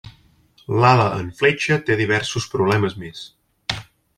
L'ala en fletxa té diversos problemes més.